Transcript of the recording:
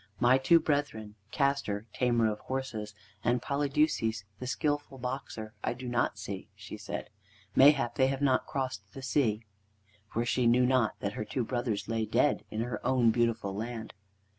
"My two brethren, Castor, tamer of horses, and Polydeuces, the skilful boxer, I do not see," she said; "mayhap they have not crossed the sea." For she knew not that her two brothers lay dead in her own beautiful land.